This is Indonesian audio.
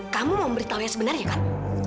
kamu memberitahu yang sebenarnya kan